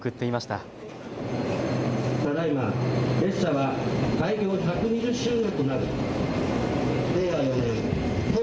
ただいま列車は開業１２０周年となる令和